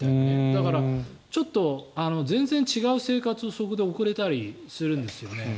だから、ちょっと全然違う生活をそこで送れたりするんですよね。